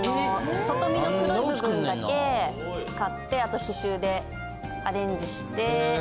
外身の黒い部分だけ買ってあと刺繍でアレンジして。